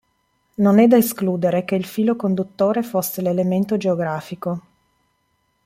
Non è da escludere che il filo conduttore fosse l'elemento geografico.